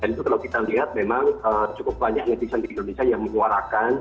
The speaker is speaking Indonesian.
dan itu kalau kita lihat memang cukup banyak netizen di indonesia yang menguarakan